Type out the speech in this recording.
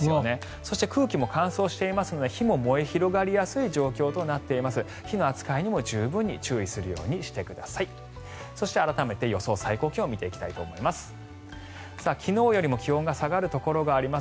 そして空気も乾燥していますので火も燃え広がりやすい状況となっています。